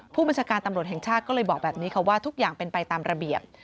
ผู้บัญชาการตำรวจแห่งชาติก็เลยบอกแบบนี้ค่ะว่าทุกอย่างเป็นไปตามระเบียบ